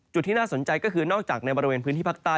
ที่น่าสนใจก็คือนอกจากในบริเวณพื้นที่ภาคใต้